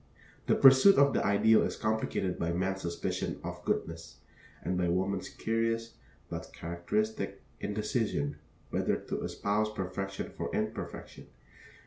The pursuit of the ideal is complicated by man's suspicion of goodness, and by woman's curious, but characteristic, indecision whether to espouse perfection or imperfection.